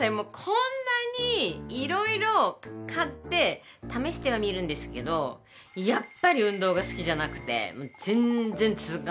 こんなに色々買って試してはみるんですけどやっぱり運動が好きじゃなくて全然続かない状況なんですよね。